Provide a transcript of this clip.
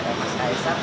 dan mas kaisar